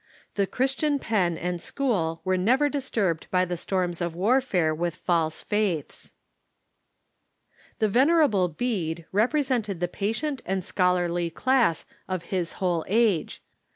The Christian pen and school were never disturbed by the storms of warfare with false faiths. THE CLOSE OB^ THE EARLY PERIOD 101 The Venerable Bede represented the patient and scholarly class of his whole age.